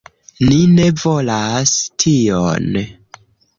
Ni ne volas tion!"